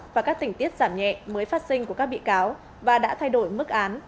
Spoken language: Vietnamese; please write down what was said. và các tình tiết giảm nhẹ mới phát sinh của các bị cáo và đã thay đổi mức án